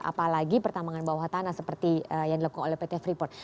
apalagi pertambangan bawah tanah seperti yang dilakukan oleh pt freeport